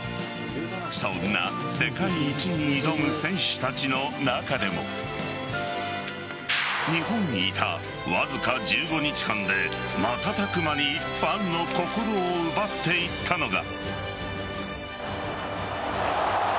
そんな世界一に挑む選手たちの中でも日本にいた、わずか１５日間で瞬く間にファンの心を奪っていったのが。